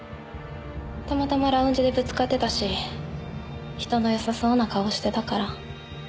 たまたまラウンジでぶつかってたし人のよさそうな顔してたから。